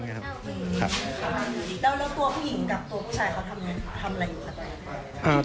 แล้วตัวผู้หญิงกับตัวผู้ชายเขาทำอะไรอยู่ครับ